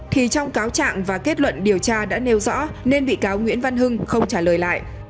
thì trong cáo trạng và kết luận điều tra đã nêu rõ nên bị cáo nguyễn văn hưng không trả lời lại